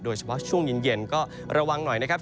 โดยเฉพาะช่วงเย็นก็ระวังหน่อยนะครับ